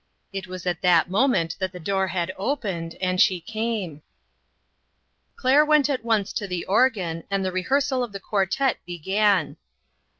It was at that moment that the door had opened, and she came. Claire went at once to the organ, and the rehearsal of the quartette began.